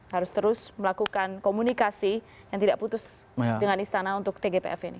harus terus melakukan komunikasi yang tidak putus dengan istana untuk tgpf ini